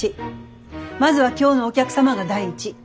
まずは今日のお客様が第一。